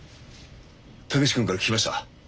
武志君から聞きました。